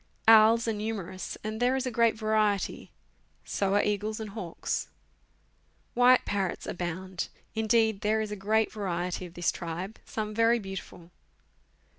Owls are numerous, and there is a great variety; so are eagles and hawks. White parrots abound. Indeed, there is a great variety of this tribe, some very beautiful.